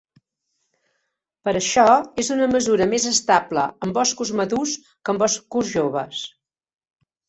Per això és una mesura més estable en boscos madurs que en boscos joves.